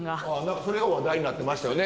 何かそれが話題になってましたよね。